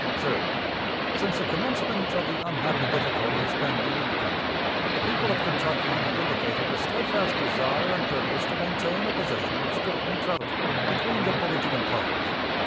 _ "Sir: Since the commencement of the unhappy difficulties pending in the country, the people of Kentucky have indicated a steadfast desire and purpose to maintain a position of strict neutrality between the belligerent parties.